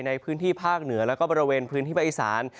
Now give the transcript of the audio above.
ในพื้นที่ภาคเหนือแล้วก็บริเวณพื้นที่ภาคอีสาน